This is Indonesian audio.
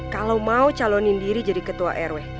kalau mau calonin diri jadi ketua rw